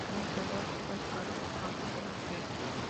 En la actualidad ocupa el cargo Carlos de la Sierra.